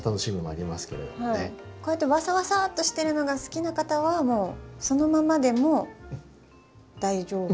こうやってわさわさっとしてるのが好きな方はもうそのままでも大丈夫？